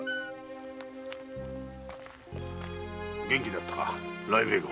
元気だったか雷鳴号？